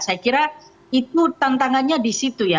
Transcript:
saya kira itu tantangannya di situ ya